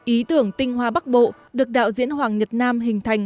ý tưởng tinh hoa bắc bộ được đạo diễn hoàng nhật nam hình thành